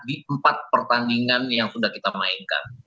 di empat pertandingan yang sudah kita mainkan